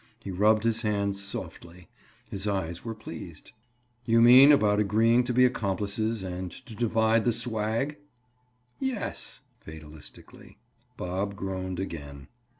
He rubbed his hands softly; his eyes were pleased. "You mean about agreeing to be accomplices and to divide the 'swag'?" "Yes." Fatalistically. Bob groaned again.